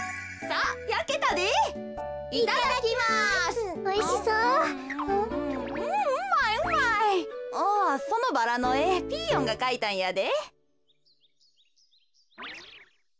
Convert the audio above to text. あそのバラのえピーヨンがかいたんやで。